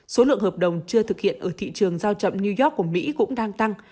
số lượng hợp đồng chưa thực hiện ở thị trường giao chậm new york của mỹ cũng đang tăng